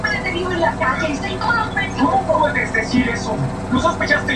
Esta estructura está instalada en la parte superior del cuerpo del recipiente del reactor.